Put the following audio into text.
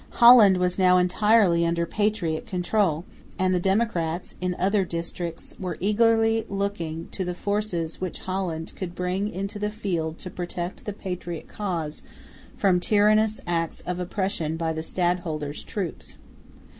Holland was now entirely under patriot control; and the democrats in other districts were eagerly looking to the forces which Holland could bring into the field to protect the patriot cause from tyrannous acts of oppression by the stadholder's troops.